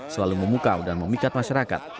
selalu memukau dan memikat masyarakat